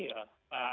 akan kacau balau